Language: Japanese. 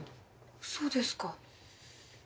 そうですか。